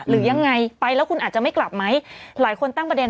หรือยังไงไปแล้วคุณอาจจะไม่กลับไหมหลายคนตั้งประเด็น